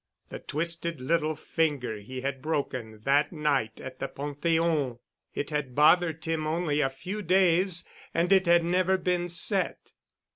The twisted little finger he had broken that night at the Pantheon. It had bothered him only a few days and it had never been set.